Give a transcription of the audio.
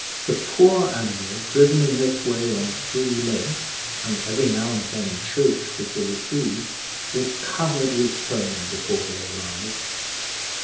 The poor animal, driven in this way on three legs, and every now and then choked with the lasso, was covered with foam before they arrived.